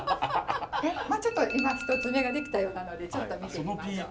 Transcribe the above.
まあちょっと今１つ目が出来たようなのでちょっと見てみましょう。